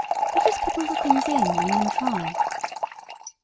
Let us put all the things in, and then try!"